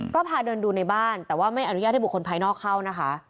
ก็พาเดินดูในบ้านแต่ว่าไม่อนุญาตให้บุคคลภายนอกเข้านะคะ